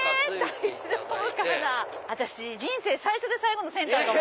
人生最初で最後のセンターかも。